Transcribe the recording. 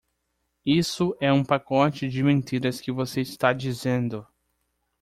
Isso é um pacote de mentiras que você está dizendo!